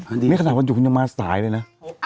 อันนี้ขนาดวันอยู่คุณยังมาสายเลยนะ